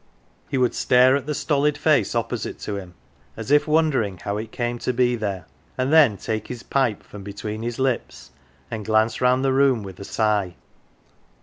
He would stare at the stolid face opposite to him as if wondering how it came to be there, and then take his pipe from between his lips and glance round the room with a sigh.